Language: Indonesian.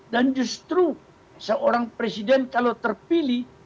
dan justru seorang presiden kalau terpilih